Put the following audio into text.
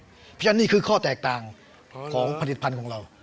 เพราะฉะนั้นนี่คือข้อแตกต่างของผลิตภัณฑ์ของเรา